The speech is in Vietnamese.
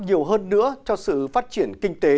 nhiều hơn nữa cho sự phát triển kinh tế